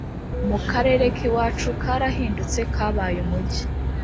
mu karere k’iwacu karahindutse kabaye umugi